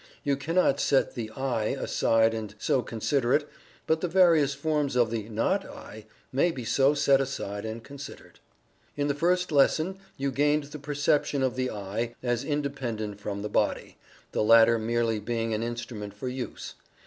You cannot set the "I" aside and so consider it, but the various forms of the "not I" may be so set aside and considered. In the First Lesson you gained the perception of the "I" as independent from the body, the latter merely being an instrument for use.